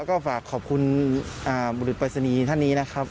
ก็ฝากขอบคุณบุรุษปรายศนีย์ท่านนี้นะครับ